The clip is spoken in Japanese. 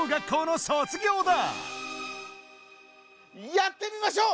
やってみましょう！